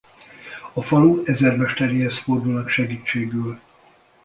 A falu ezermesteréhez fordulnak segítségül.